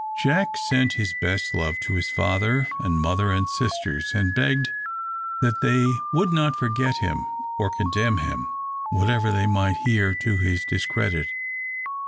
Jack sent his best love to his father and mother and sisters, and begged that they would not forget him, or condemn him, whatever they might hear to his discredit.